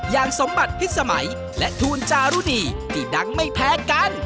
สมบัติพิษสมัยและทูลจารุดีที่ดังไม่แพ้กัน